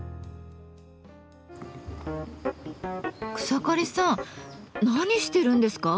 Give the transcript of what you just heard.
草刈さん何してるんですか？